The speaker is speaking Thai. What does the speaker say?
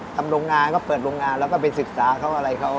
โรงงานเขาเปิดโรงงานแล้วก็ไปศึกษาเขาอะไรเขา